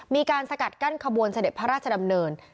มีการสกัดกั้นขบวนเสด็จพระราชดำเนิน